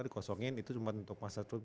dikosongin itu cuma untuk massage room